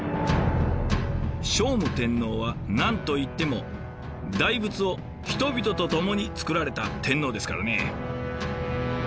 聖武天皇は何と言っても大仏を人々とともに造られた天皇ですからね。